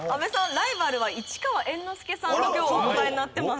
「ライバルは市川猿之助さん」と今日お答えになってます。